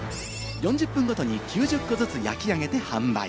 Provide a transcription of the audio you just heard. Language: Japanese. ４０分ごとに９０個ずつ焼き上げて販売。